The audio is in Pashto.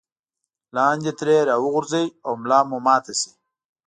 لاندې ترې راوغورځئ او ملا مو ماته شي.